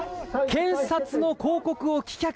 検察の抗告を棄却。